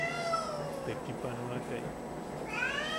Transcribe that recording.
Tekipanoakai.